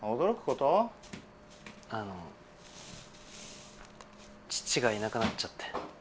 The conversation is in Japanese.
あの父がいなくなっちゃって。